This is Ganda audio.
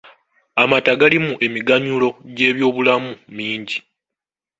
Amata galimu emiganyulo gy'ebyobulamu mingi.